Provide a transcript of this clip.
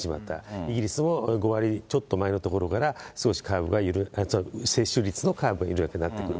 イギリスも５割ちょっと前のところから少しカーブが、接種率のカーブが緩やかになってくる。